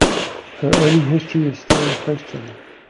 Her early history is still in question.